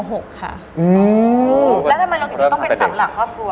แล้วทำไมเราถึงจะต้องเป็นเสาหลักครอบครัว